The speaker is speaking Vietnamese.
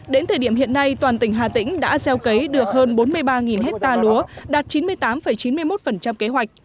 đến thời điểm hiện nay toàn tỉnh hà tĩnh đã gieo cấy được hơn bốn mươi ba hectare lúa đạt chín mươi tám chín mươi một kế hoạch